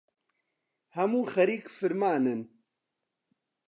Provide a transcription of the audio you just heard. هەموو خەریک فرمانن